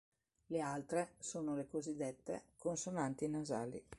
Le altre sono le cosiddette consonanti nasali.